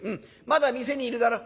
まだ店にいるだろ。